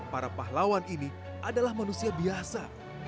para pahlawan ini adalah manusia biasa